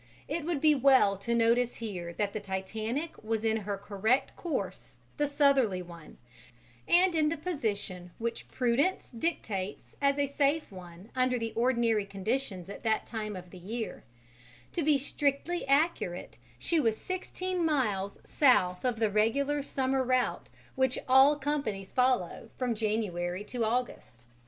It would be well to notice here that the Titanic was in her correct course, the southerly one, and in the position which prudence dictates as a safe one under the ordinary conditions at that time of the year: to be strictly accurate she was sixteen miles south of the regular summer route which all companies follow from January to August.